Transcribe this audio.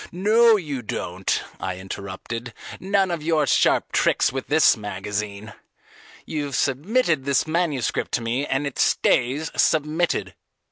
"No you don't," I interrupted; "none of your sharp tricks with this magazine. You've submitted this manuscript to me, and it stays submitted.